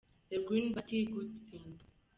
The Green Party , good thing!.